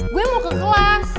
gue mau ke kelas